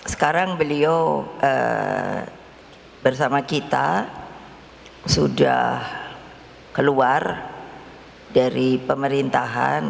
sekarang beliau bersama kita sudah keluar dari pemerintahan